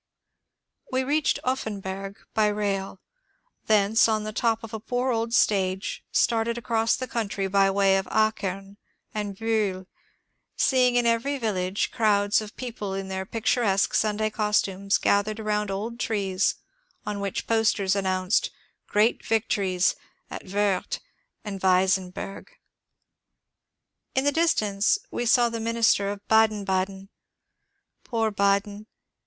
We reached Offenburg by rail ; thence on the top of a poor old stage started across the country by way of Achem and Biihl, seeing in every village crowds of people in their pictur esque Sunday costume gathered around old trees on which posters announced " Great Victories " at Worth and Weissen burg. In the distance we saw the minster of Baden Baden. Poor Baden